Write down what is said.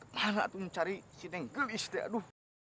mana tuh mencari si dengklis deh aduh